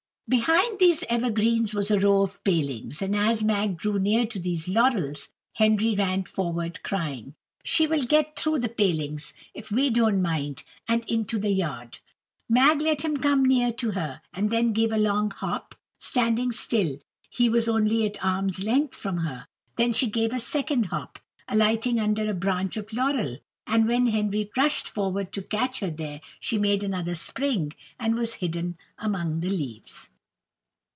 Behind these evergreens was a row of palings, and as Mag drew near to these laurels, Henry ran forward, crying: "She will get through the palings, if we don't mind, and into the yard." Mag let him come near to her, and then gave a long hop, standing still till he was only at arm's length from her. Then she gave a second hop, alighting under a branch of laurel; and when Henry rushed forward to catch her there, she made another spring, and was hidden among the leaves.